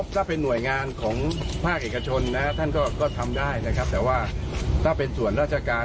ต้องตอบถามแล้วแค่การ